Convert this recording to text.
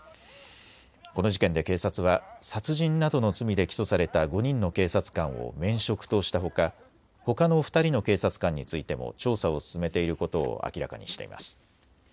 この事件で警察は殺人などの罪で起訴された５人の警察官を免職としたほか、ほかの２人の警察官についても調査を進めていることを明らかにしています。